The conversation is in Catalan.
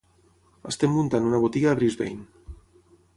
Estem muntant una botiga a Brisbane.